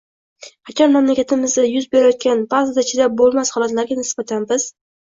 Qachon mamlakatimizda yuz berayotgan, ba’zida chidab bo‘lmas holatlarga nisbatan biz